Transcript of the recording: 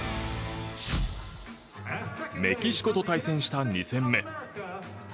メキシコと対戦した２戦目。